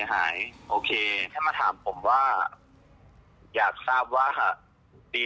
ใช้เครื่องทรงนี้